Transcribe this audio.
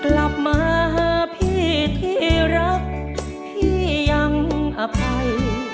กลับมาหาพี่ที่รักพี่ยังอภัย